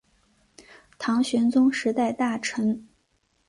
唐玄宗时代大臣。